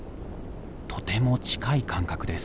とても近い間隔です。